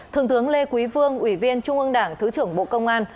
thường thướng lê quý vương ủy viên trung ương đảng thứ trưởng bộ công an